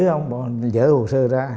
bọn mình dỡ hồ sư ra